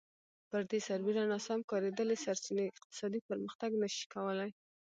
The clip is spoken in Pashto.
پر دې سربېره ناسم کارېدلې سرچینې اقتصادي پرمختګ نه شي کولای